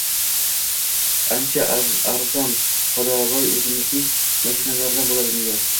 ancha arzon, "xodovoy", o‘zimizning mashinalardan bo‘ladi. Nega?